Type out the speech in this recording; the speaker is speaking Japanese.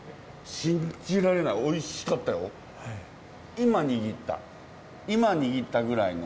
今握った。